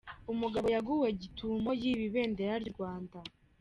Umugabo yaguwe gitumo yiba ibendera ry’u Rwanda